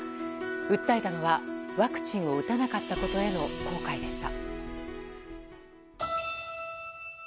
訴えたのはワクチンを打たなかったことへの後悔でした。